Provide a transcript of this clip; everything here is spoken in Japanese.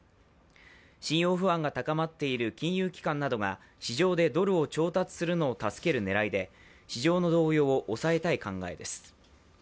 信用不安が高まっている金融機関などが市場でドルを調達するのを助ける狙いで市場の動揺を抑えたい考えです。